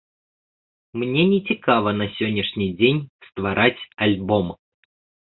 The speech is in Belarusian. Мне не цікава на сённяшні дзень ствараць альбом.